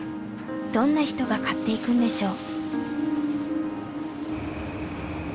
どんな人が買っていくんでしょう？